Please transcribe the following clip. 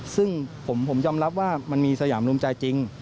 ซึ่งผมยอมรับว่ามันมีสยามรวมใจจริง